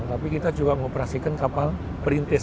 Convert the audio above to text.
tapi kita juga mengoperasikan kapal perintis